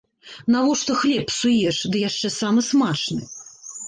Навошта хлеб псуеш, ды яшчэ самы смачны!